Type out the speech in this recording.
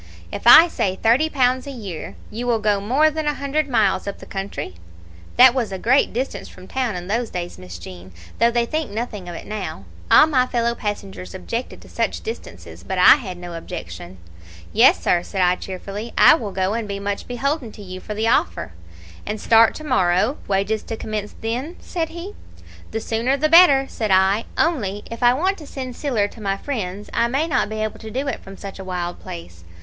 If I say thirty pounds a year, you will go more than a hundred miles up the country?' That was a great distance from town in those days, Miss Jean, though they think nothing of it now. All my fellow passengers objected to such distances, but I had no objection. "'Yes, sir,' said I, cheerfully, 'I will go, and be much beholden to you for the offer.' "'And start to morrow, wages to commence then?' said he. "'The sooner the better,' said I. 'Only, if I want to send siller to my friends I may not be able to do it from such a wild place.'